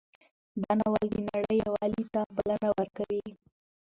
دا ناول د نړۍ یووالي ته بلنه ورکوي.